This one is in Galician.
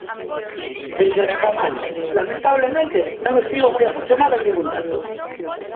Señora Caamaño, lamentablemente, non estivo moi afortunada en ningún dato.